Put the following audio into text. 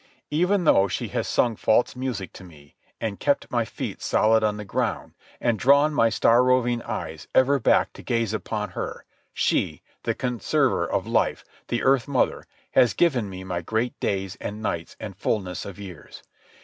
Even though she has sung false music to me, and kept my feet solid on the ground, and drawn my star roving eyes ever back to gaze upon her, she, the conserver of life, the earth mother, has given me my great days and nights and fulness of years.